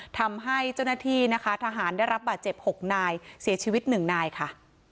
ทำให้เจ้าหน้าที่นะคะทหารได้รับบาดเจ็บ๖นายเสียชีวิตหนึ่งนายค่ะ